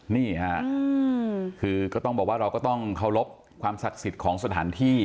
นี่ค่ะคือก็ต้องบอกว่าเราก็ต้องเคารพความศักดิ์สิทธิ์ของสถานที่